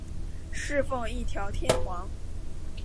侍奉一条天皇。